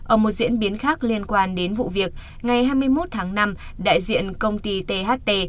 ở một diễn biến khác liên quan đến vụ việc ngày hai mươi một tháng năm đại diện công ty tht